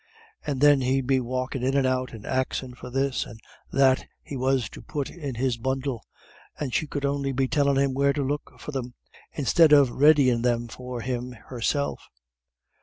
And then he'd be walkin' in and out, and axin' for this and that he was to put in his bundle; and she could on'y be tellin' him where to look for them, instid of readyin' them up for him herself.